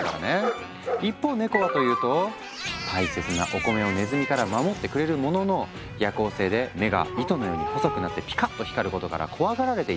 一方ネコはというと大切なお米をネズミから守ってくれるものの夜行性で目が糸のように細くなってピカッと光ることから怖がられていたんだ。